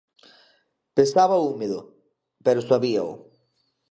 Pesaba húmido, pero sabíao.